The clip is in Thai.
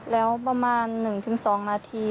แล้วประมาณ๑๒นาที